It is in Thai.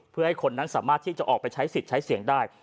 เพื่อให้คนนั้นสามารถที่จะออกไปใช้สิทธิ์ใช้เสียงได้